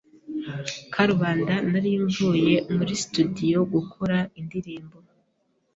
karubanda nari mvuye muri studio gukora indirimbo,